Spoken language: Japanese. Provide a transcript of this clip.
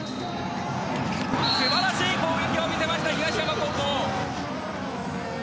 素晴らしい攻撃を見せました東山高校。